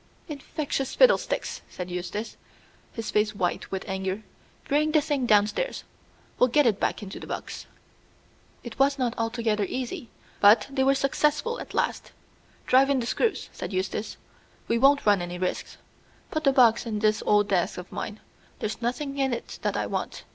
"Infectious fiddlesticks!" said Eustace, his face white with anger; "bring the thing downstairs. We'll get it back into the box." It was not altogether easy, but they were successful at last. "Drive in the screws," said Eustace, "we won't run any risks. Put the box in this old desk of mine. There's nothing in it that I want.